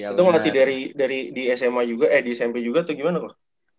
itu ngelatih dari di sma juga eh di smp juga tuh gimana kok